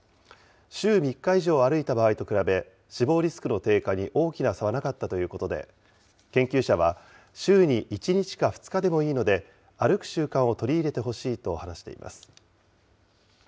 週３日以上歩いた場合と比べ、死亡リスクの低下に大きな差はなかったということで、研究者は、週に１日か２日でもいいので、歩く習慣を取り入れてほしいと話しています。